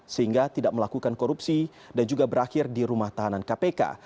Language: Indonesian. sehingga tidak melakukan korupsi dan juga berakhir di rumah tahanan kpk